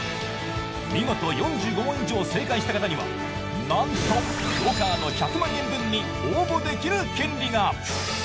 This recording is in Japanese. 見事４５問以上正解した方にはなんとＱＵＯカード１００万円分に応募できる権利が。